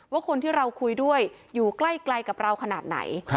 ว่าคนที่เราคุยด้วยอยู่ใกล้กับเราขนาดไหน